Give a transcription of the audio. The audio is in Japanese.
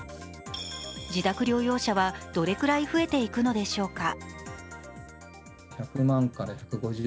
自宅療養者はどれくらい増えていくのでしょうか。